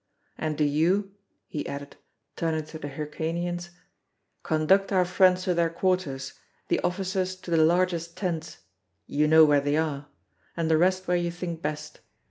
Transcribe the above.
And do you," he added, turning to the Hyrcanians, "conduct our friends to their quarters, the officers to the largest tents you know where they are and the rest where you think best.